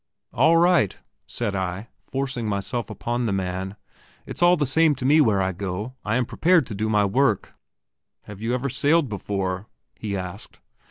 "All right," said I, forcing myself upon the man; "it's all the same to me where I go; I am prepared to do my work." "Have you never sailed before?" he asked.